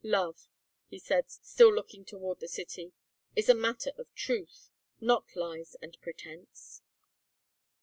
"Love," he said, still looking toward the city, "is a matter of truth, not lies and pretence."